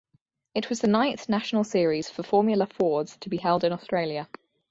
It was the ninth national series for Formula Fords to be held in Australia.